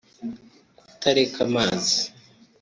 kutareka amazi